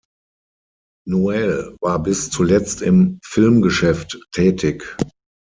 Noël war bis zuletzt im Filmgeschäft tätig.